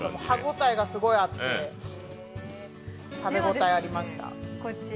歯応えがすごいあって食べ応えありました。